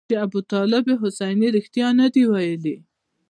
چې ابوطالب حسیني رښتیا نه دي ویلي.